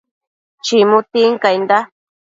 chimu tincainda